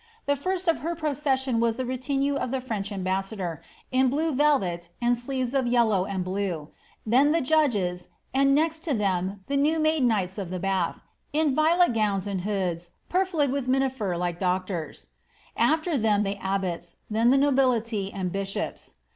The first of her procession was the retinue of the French ambassador, in blue velvet and sleeves of yellow and blue, then the jndjyres, and next to tliem the new made knights of the Bath, in violet gowns and hoods purfled with miniver like doctors. After them the ahbots, then the nobility and bishops.